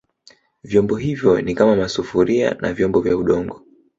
Vyombo hivyo ni kama masufuria na vyombo vya Udongo